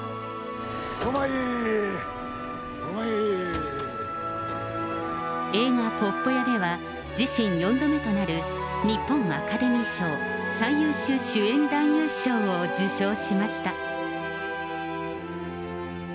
ほろまい、映画、鉄道員では、自身４度目となる日本アカデミー賞最優秀主演男優賞を受賞しました。